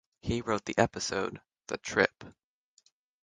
He wrote the episode "The Trip".